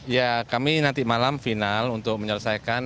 ya kami nanti malam final untuk menyelesaikan